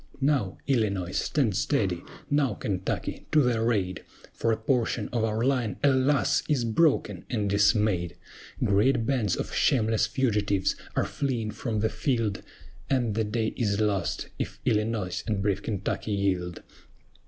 Now, ILLINOIS, stand steady! Now, KENTUCKY, to their aid! For a portion of our line, alas! is broken and dismayed: Great bands of shameless fugitives are fleeing from the field, And the day is lost, if Illinois and brave Kentucky yield.